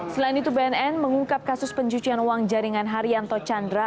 selain itu bnn mengungkap kasus pencucian uang jaringan haryanto chandra